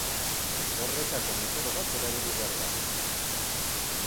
Horretako metodo bat erabili behar da.